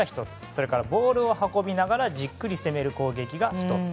それから、ボールを運びながらじっくり攻める攻撃が１つ。